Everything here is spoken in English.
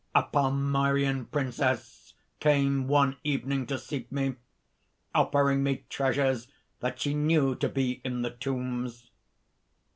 "A Palmyrian princess came one evening to seek me, offering me treasures that she knew to be in the tombs.